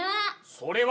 それは！